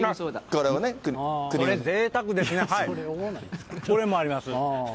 これもあります。